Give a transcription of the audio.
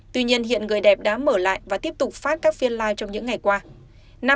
tuy nhiên hiện người đẹp đã mở lại và tiếp tục phát các phiên life trong những ngày qua